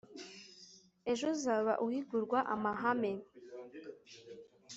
Ejo uzaba uhigurwa amahame